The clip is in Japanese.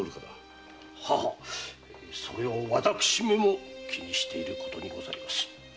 ははっそれは私めも気にしていることでございます。